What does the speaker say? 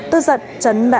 tức giật trấn đã dùng